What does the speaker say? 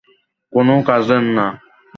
কোনো কাজের না।